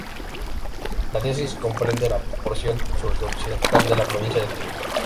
La diócesis comprende la porción sur-occidental de la provincia de Turín.